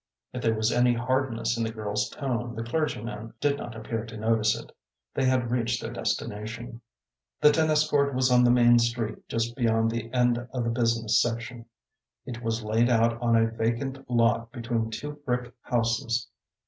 If there was any hardness in the girl's tone the clergyman did not appear to notice it. They had reached their destination. The tennis court was on the main street just beyond the end of the business section. It was laid out on a vacant lot between two brick houses.